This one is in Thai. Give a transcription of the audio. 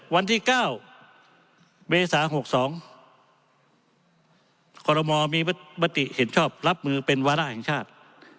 วันที่เก้าเมษาหกสองขอรมมมีปฏิเห็นชอบรับมือเป็นวาระแห่งชาติ